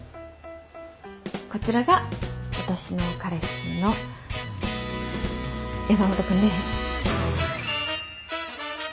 こちらが私の彼氏の山本君です。